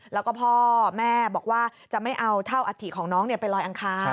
แล้วก็พ่อแม่บอกว่าจะไม่เอาเท่าอัฐิของน้องไปลอยอังคาร